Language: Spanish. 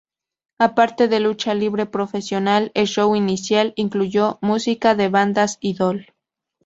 Aparte de lucha libre profesional, el show inicial incluyó música de bandas idol.